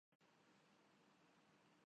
اس حکومت کیلئے۔